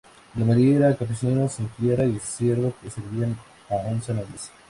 La mayoría eran campesinos sin tierra y siervos que servían a once nobles.